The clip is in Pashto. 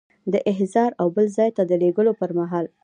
د احضار او بل ځای ته د لیږلو پر مهال.